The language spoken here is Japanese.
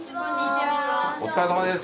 お疲れさまです。